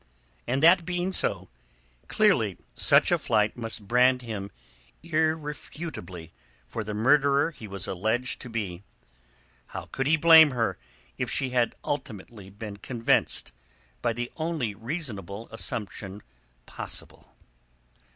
And that being so, clearly such a flight must brand him irrefutably for the murderer he was alleged to be. How could he blame her if she had ultimately been convinced by the only reasonable assumption possible?